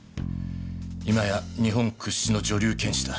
今や日本屈指の女流剣士だ。